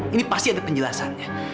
ini pasti ada penjelasannya